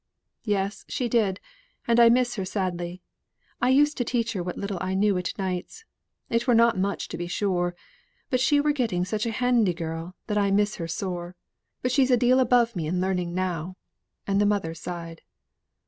"Yes, she did; and I miss her sadly. I used to teach her what little I knew at nights. It were not much to be sure. But she were getting such a handy girl, that I miss her sore. But she's a deal above me in learning now." And the mother sighed.